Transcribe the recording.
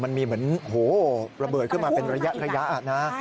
มันมีเหมือนระเบิดขึ้นมาเป็นระยะนะ